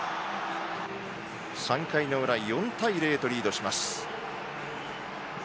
３回の裏、４対０とリードします。